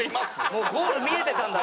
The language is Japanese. もうゴール見えてたんだ。